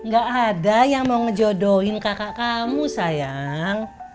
gak ada yang mau ngejodohin kakak kamu sayang